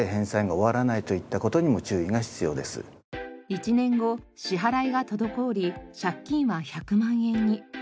１年後支払いが滞り借金は１００万円に。